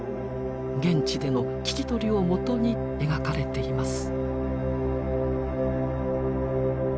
現地での聞き取りをもとに描かれています。